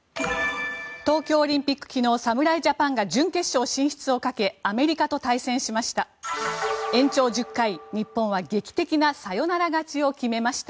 東京オリンピック、昨日侍ジャパンが準決勝進出をかけアメリカと対戦しました。